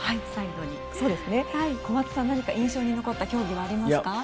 小松さん、印象に残った競技はありますか。